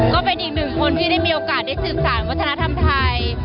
ก็เป็นอีกหนึ่งคนที่ได้มีโอกาสได้สืบสารวัฒนธรรมไทย